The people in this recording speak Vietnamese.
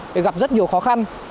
thì gặp rất nhiều khó khăn